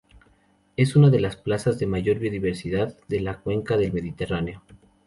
Es una de las zonas de mayor biodiversidad de la cuenca del Mediterráneo.